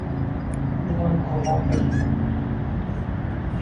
Wan ava kir.